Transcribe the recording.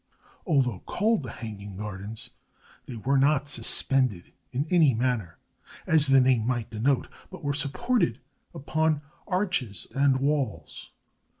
Although called the Hanging Gardens, they were not suspended in any manner, as the name might denote, but were supported upon arches and walls.